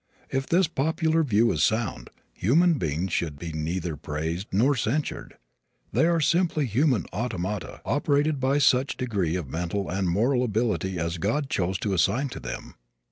If this popular view is sound, human beings should be neither praised nor censured. They are simply human automata operated by such degree of mental and moral ability as God chose to assign to them.